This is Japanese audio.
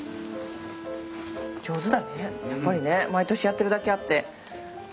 上手だねやっぱりね毎年やってるだけあってさすがです。